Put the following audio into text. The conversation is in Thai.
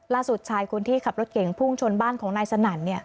ชายคนที่ขับรถเก่งพุ่งชนบ้านของนายสนั่น